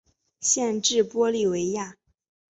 县治玻利维亚。